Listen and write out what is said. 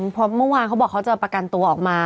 เพราะเมื่อวานเขาบอกเขาจะประกันตัวออกมา